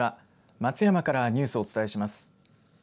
松山からニュースをお伝えします。